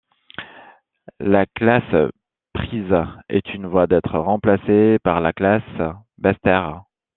La classe Priz est en voie d'être remplacée par la classe Bester.